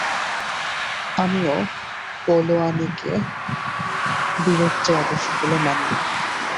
আমিও পালোয়ানিকে বীরত্বের আদর্শ বলে মানি নে।